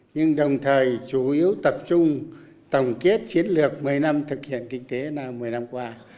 nhưng đồng thời chủ yếu tập trung tổng kết chiến lược một mươi năm thực hiện kinh tế là một mươi năm qua